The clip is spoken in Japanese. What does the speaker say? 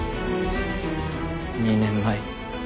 ２年前に。